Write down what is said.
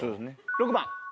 ６番。